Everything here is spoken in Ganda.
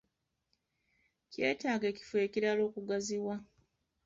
Kyetaaga ekifo ekirala okugaziwa.